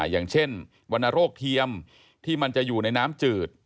อย่างเช่นวรรณโรคเทียมที่มันจะอยู่ในน้ำจืด